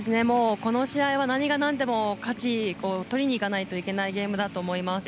この試合は何がなんでも勝ちにいかないといけないゲームだと思います。